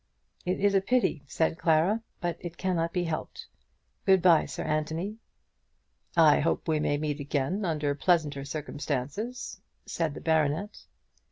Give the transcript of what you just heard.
"It is a pity," said Clara, "but it cannot be helped. Good bye, Sir Anthony." "I hope we may meet again under pleasanter circumstances," said the baronet.